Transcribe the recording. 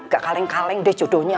gak kaleng kaleng deh jodohnya